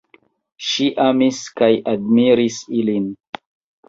Ŝi amis kaj admiris ilin.